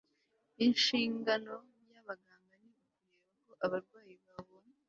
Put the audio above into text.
Inshingano yabaganga ni ukureba ko abarwayi babonye